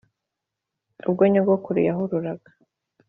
ubwo nyogokuru yahururaga